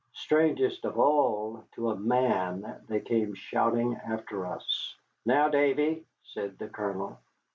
Strangest of all, to a man they came shouting after us. "Now, Davy!" said the Colonel.